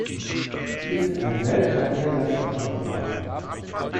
Sie ist ein seltener Irrgast in Europa.